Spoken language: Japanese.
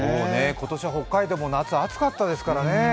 今年は北海道も夏、暑かったですからね。